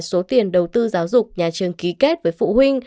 số tiền đầu tư giáo dục nhà trường ký kết với phụ huynh